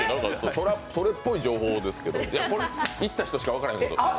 それっぽい情報ですけどこれ、行った人しか分からないこと。